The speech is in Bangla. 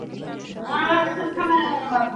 সংবাদ পাঠ করে শোনান।